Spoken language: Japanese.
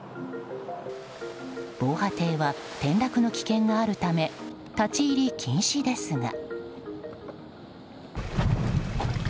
防波堤は転落の危険があるため立ち入り禁止ですが。